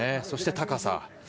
そして、高さ。